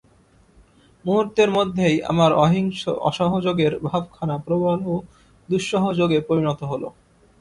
মুহূর্তের মধ্যেই আমার অহিংস অসহযোগের ভাবখানা প্রবল দুঃসহযোগে পরিণত হল।